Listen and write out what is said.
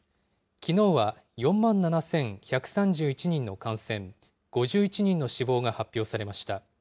きのうは４万７１３１人の感染、５１人の死亡が発表されました。